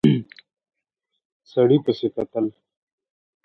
سړي پسې کتل.